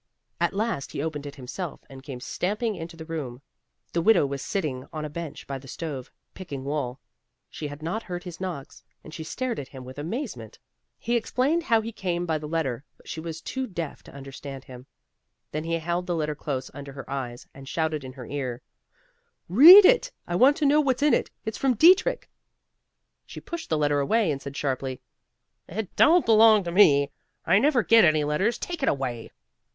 At last he opened it himself, and came stamping into the room. The widow was sitting on a bench by the stove, picking wool. She had not heard his knocks, and she stared at him with amazement. He explained how he came by the letter, but she was too deaf to understand him. Then he held the letter close under her eyes, and shouted in her ear, "Read it! I want to know what's in it. It's from Dietrich." She pushed the letter away and said sharply, "It don't belong to me. I never get any letters. Take it away."